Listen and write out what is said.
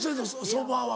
そばは。